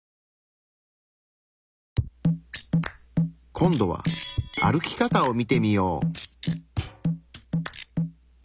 今度は歩き方を見てみよう。